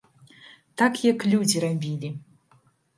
Так як людзі рабілі.